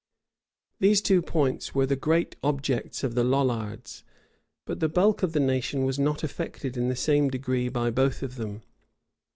These two points were the great objects of the Lollards; but the bulk of the nation was not affected in the same degree by both of them.